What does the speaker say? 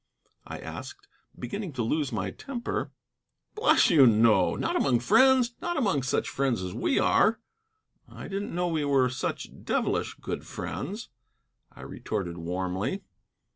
I asked, beginning to lose my temper. "Bless you, no. Not among friends: not among such friends as we are." "I didn't know we were such devilish good friends," I retorted warmly.